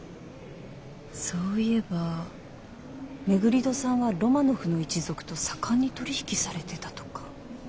そういえば廻戸さんはロマノフの一族と盛んに取り引きされてたとか。